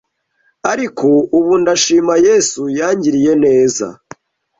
ariko ubu ndashima Yesu yangiriye neza,